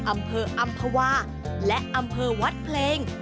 อำเภออำภาวาและอำเภอวัดเพลง